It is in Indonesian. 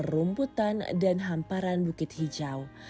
rumputan dan hamparan bukit hijau